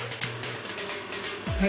はい。